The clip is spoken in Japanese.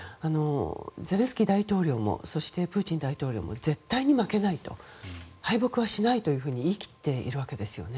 ゼレンスキー大統領もそしてプーチン大統領も絶対に負けないと敗北はしないと言い切っているわけですよね。